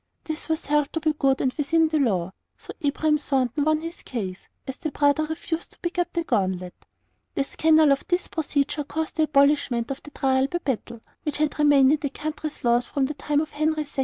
This was held to be good and within the law, so Abraham Thornton won his case, as the brother refused to pick up the gauntlet. The scandal of this procedure caused the abolishment of the trial by battle, which had remained in the country's laws from the time of Henry II.